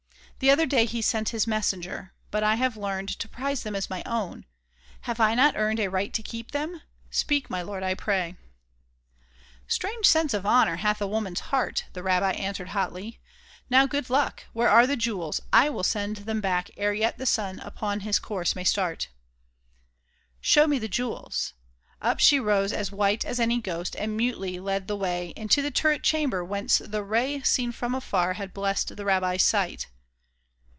The other day He sent his messenger. But I have learned To prize them as my own ! Have 1 not earned A right to keep them ? Speak, my lord, I pray !"" Strange sense of honor hath a woman's heart !" The rabbi answered hotly. " Now, good lack ! 208 RABBI BENAIAH Where are the jewels ? I will send them back Ere yet the sun upon his course may start !Show me the jewels !" Up she rose as white As any ghost, and mutely led the way Into the turret chamber whence the ray Seen from afar had blessed the rabbi's sight.